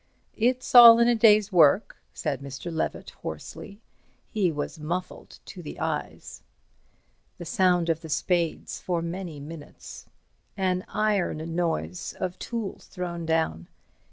"It's all in the day's work," said Mr. Levett, hoarsely. He was muffled to the eyes. The sound of the spades for many minutes. An iron noise of tools thrown down.